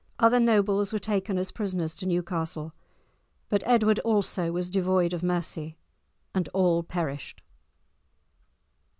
Other nobles were taken as prisoners to Newcastle, but Edward also was devoid of mercy, and all perished.